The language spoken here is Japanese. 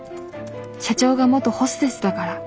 社長が元ホステスだから。